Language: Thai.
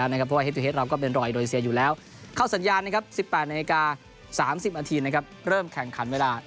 ๑๘น๓๐นเริ่มแข่งขันเวลา๑๙น